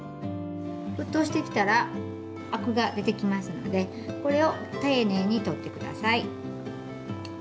沸騰してきたらアクが出てきますのでこれを丁寧に取ってください。